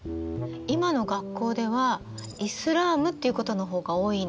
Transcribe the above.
今の学校ではイスラームっていうことの方が多いの。